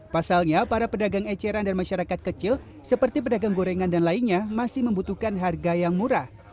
pasalnya para pedagang eceran dan masyarakat kecil seperti pedagang gorengan dan lainnya masih membutuhkan harga yang murah